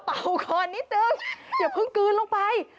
ก่อนนิดนึงอย่าเพิ่งกลืนลงไป